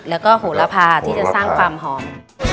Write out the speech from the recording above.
แล้วก็โหระพาที่จะสร้างความหอม